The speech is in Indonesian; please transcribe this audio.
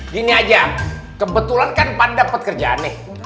gini aja kebetulan kan pan dapat kerjaan nih